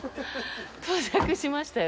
到着しましたよ。